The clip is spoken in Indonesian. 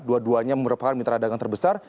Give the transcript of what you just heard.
dua duanya merupakan mitra dagang terbesar